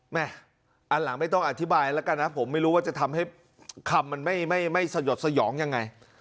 อันหลังไม่ต้องอธิบายแล้วกันนะผมไม่รู้ว่าจะทำให้คำมันไม่สยดสยองยังไง